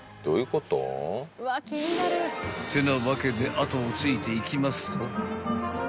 ［ってなわけで後をついていきますと］